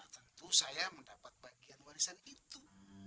tentu saya mendapat bagian warisan itu